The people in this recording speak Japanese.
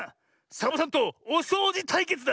サボさんとおそうじたいけつだ！